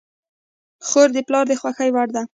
خور د پلار د خوښې وړ ده.